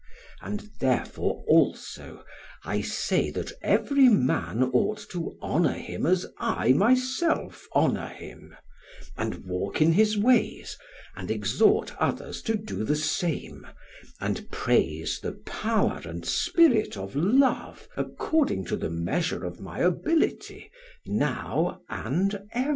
And therefore, also, I say that every man ought to honour him as I myself honour him, and walk in his ways, and exhort others to do the same, and praise the power and spirit of Love according to the measure of my ability now and ever."